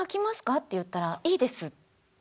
って言ったらいいですって。